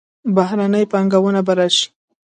بهرنۍ پانګونه به راشي.